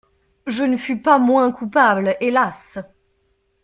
Je ne fus pas moins coupable, hélas!